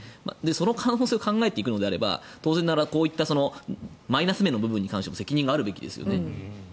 その可能性を考えていくのであれば当然、こういったマイナス面の部分に関しても責任があるわけですよね。